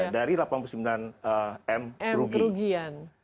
dari delapan puluh sembilan m kerugian